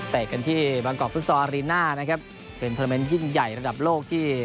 กันที่บางกอกฟุตซอลอารีน่านะครับเป็นโทรเมนต์ยิ่งใหญ่ระดับโลกที่